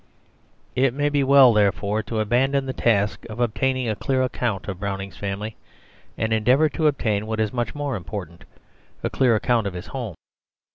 It may be well therefore to abandon the task of obtaining a clear account of Brownings family, and endeavour to obtain, what is much more important, a clear account of his home.